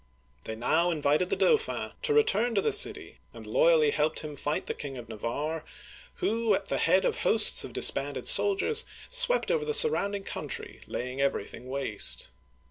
They now invited the Dauphin to return to the city, and loyally helped him fight the King of Navarre, who, at the head of hosts of disbanded soldiers, swept over the surrounding country, laying everything waste.